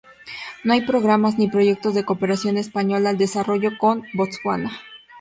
No hay programas ni proyectos de cooperación española al desarrollo con Botswana.